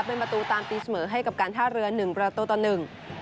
เป็นประตูตามตีเสมอให้กับการท่าเรือหนึ่งประตูต่อหนึ่ง